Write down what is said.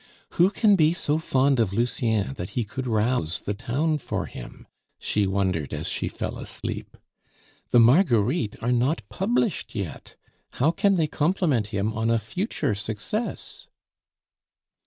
"Who can be so fond of Lucien that he could rouse the town for him?" she wondered as she fell asleep. "The Marguerites are not published yet; how can they compliment him on a future success?"